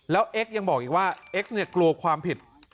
แล้วเอ็กซ์ยังบอกอีกว่าเอ็กซ์เนี่ยกลัวความผิด